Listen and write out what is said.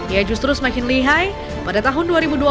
ia justru semakin lihai pada tahun dua ribu dua puluh